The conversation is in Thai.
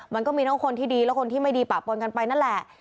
มันก็มีทั้งคนที่ดีและคนที่ไม่ดีปะปนกันไปนั่นแหละ